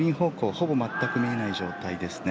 ほぼ全く見えない状況ですね。